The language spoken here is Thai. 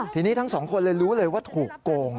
ทีนี้ทั้งสองคนเลยรู้เลยว่าถูกโกง